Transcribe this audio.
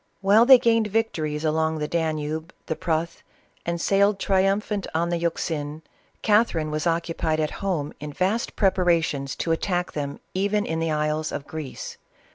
While they gained victories along the Danube, the Pruth, and sailed triumphant on the Kuxine, Cath 418 CATHERINE OF RUSSIA. erine was occupied at home in vast preparations to at tack them even in the isles of Greece.